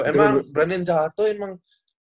emang brandon jawa toh emang